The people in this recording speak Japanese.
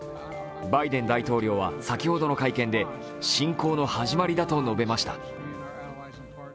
バイデン大統領は先ほどの会見で、侵攻の始まりだと述べました。